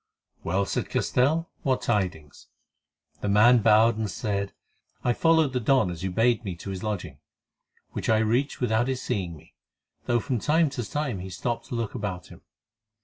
"Well," said Castell, "what tidings?" The man bowed and said: "I followed the Don as you bade me to his lodging, which I reached without his seeing me, though from time to time he stopped to look about him.